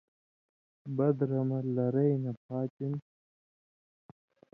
بدرہ مہ لرئ نہ پاتیُوں